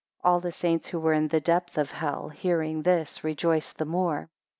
9 All the saints who were in the depth of hell, hearing this, rejoiced the more.